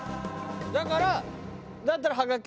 だから。